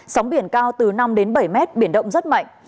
sóng biển cao từ năm đến bảy mét biển động rất mạnh